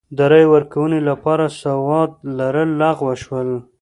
د رایې ورکونې لپاره سواد لرل لغوه شول.